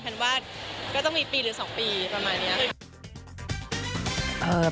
แทนว่าก็ต้องมีปีหรือ๒ปีประมาณนี้ค่ะ